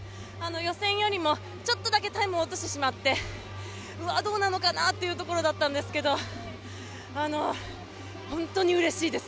予選よりもちょっとだけタイム落としてしまってどうなのかなっていうところだったんですけど本当にうれしいです。